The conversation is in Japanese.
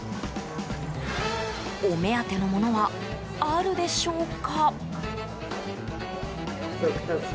お目当てのものはあるでしょうか？